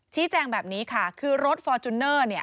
ชี้แจงแบบนี้ค่ะคือรถฟอร์จูเนอร์เนี่ย